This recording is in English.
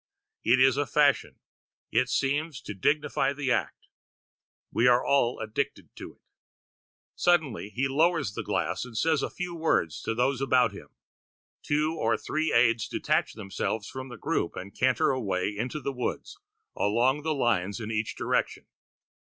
It is a fashion; it seems to dignify the act; we are all addicted to it. Suddenly he lowers the glass and says a few words to those about him. Two or three aides detach themselves from the group and canter away into the woods, along the lines in each direction.